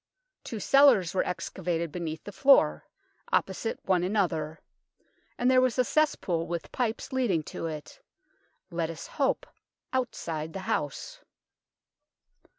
Two cellars were excavated beneath the floor, opposite one another, and there was a cesspool with pipes leading to it let us hope outside the house.